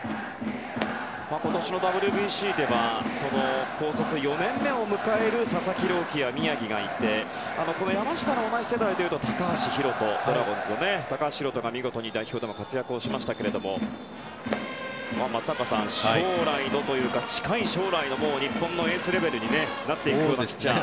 今年のＷＢＣでは高卒４年目を迎える佐々木朗希や宮城がいて山下の同じ世代というと高橋宏斗が見事に代表でも活躍しましたけど松坂さん、近い将来の日本のエースレベルになっていくようなピッチャー。